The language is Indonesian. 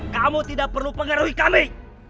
kamu tidak perlu pengaruhi kami